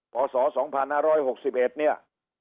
พศ๒๕๖๑เนี่ย